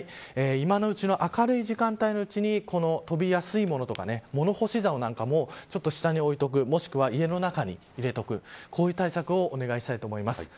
今のうちの明るい時間帯のうちに飛びやすいものとか物干しざおなんかも下に置いておくもしくは家の中に入れておくこういう対策をお願いしたいと思います。